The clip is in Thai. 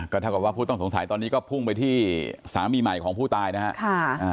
เท่ากับว่าผู้ต้องสงสัยตอนนี้ก็พุ่งไปที่สามีใหม่ของผู้ตายนะครับ